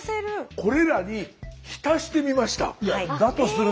これらに浸してみました。